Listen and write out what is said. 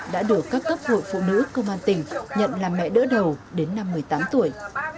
đã đủ các cấp hội phụ nữ công an tỉnh nhận làm mẹ đỡ đầu đến năm một mươi tám tuổi